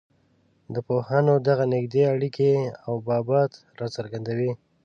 د پوهنو دغه نږدې اړیکي او بافت دا څرګندوي.